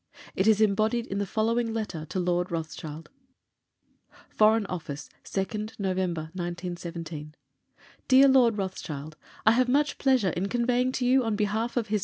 It is embodied in the following letter to Lord Rothschild: FOREIGN OFFICE, 2nd November, 1917. DEAR LORD ROTHSCHILD, I have much pleasure in conveying to you on behalf of H.M.'